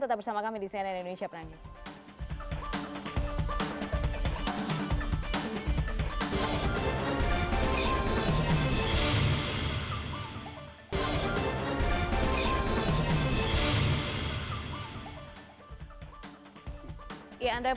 tetap bersama kami di cnn indonesia prime news